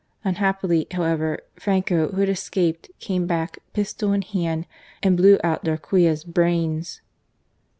Unhappily, however, Franco, who had escaped, came back, pistol in hand and blew out Darquea*s brains.